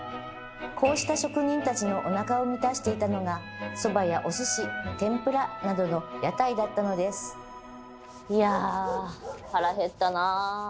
こうした職人たちのおなかを満たしていたのがそばやお寿司天ぷらなどの屋台だったのですいや腹減ったな。